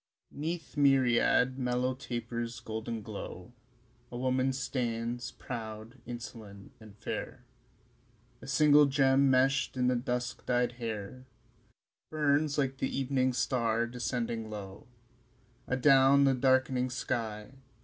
II. 'Neath myriad mellow tapers' golden glow A woman stands, proud, insolent and fair; A single gem meshed in the dusk dyed hair Burns like the evening star descending low Adown the dark'ning sky.